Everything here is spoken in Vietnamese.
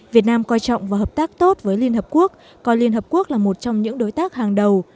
việt nam coi trọng và hợp tác tốt với liên hợp quốc coi liên hợp quốc là một trong những đối tác hàng đầu